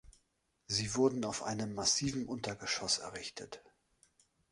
Sie wurden auf einem massiven Untergeschoss errichtet.